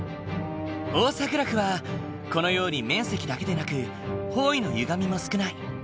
オーサグラフはこのように面積だけでなく方位のゆがみも少ない。